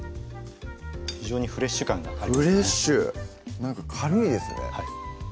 非常にフレッシュ感がありますねフレッシュなんか軽いですね